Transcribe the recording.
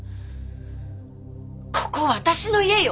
ここは私の家よ！